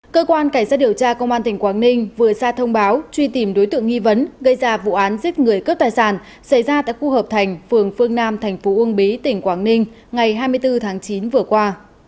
cơ quan cảnh sát điều tra công an tỉnh quảng ninh vừa ra thông báo truy tìm đối tượng nghi vấn gây ra vụ án giết người cướp tài sản xảy ra tại khu hợp thành phường phương nam thành phố uông bí tỉnh quảng ninh ngày hai mươi bốn tháng chín vừa qua